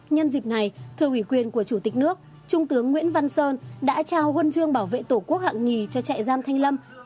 nhân dịp này thưa ủy quyền của chủ tịch nước trung tướng nguyễn văn sơn đã trao huân chương bảo vệ tổ quốc hạng nhì cho trại giam thanh lâm